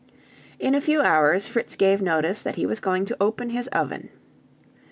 In a few hours Fritz gave notice that he was going to open his oven.